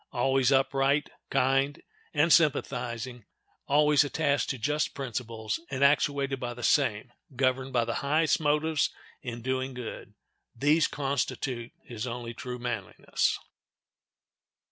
Always upright, kind, and sympathizing; always attached to just principles, and actuated by the same, governed by the highest motives in doing good; these constitute his only true manliness.